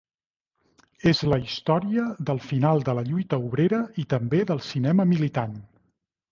És la història del final de la lluita obrera i també del cinema militant.